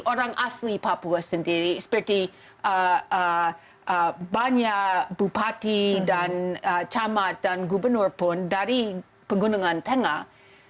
orang asli papua sendiri seperti banyak bupati dan camat dan gubernur pun dari pegunungan tengah